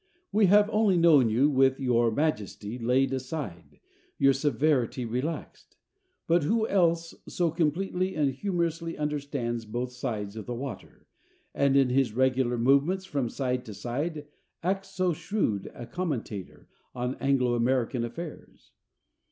We have only known you with your majesty laid aside, your severity relaxed. But who else so completely and humorously understands both sides of the water, and in his regular movements from side to side acts so shrewd a commentator on Anglo American affairs?